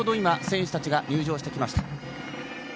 選手たちが入場してきました。